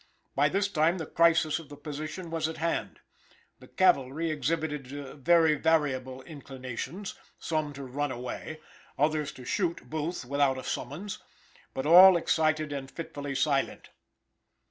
By this time the crisis of the position was at hand, the cavalry exhibited very variable inclinations, some to run away, others to shoot Booth without a summons, but all excited and fitfully silent.